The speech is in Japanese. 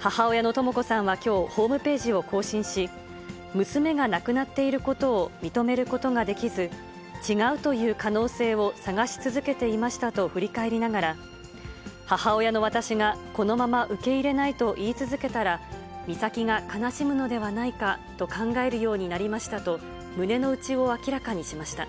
母親のとも子さんはきょう、ホームページを更新し、娘が亡くなっていることを認めることができず、違うという可能性を探し続けていましたと振り返りながら、母親の私がこのまま受け入れないと言い続けたら、美咲が悲しむのではないかと考えるようになりましたと、胸の内を明らかにしました。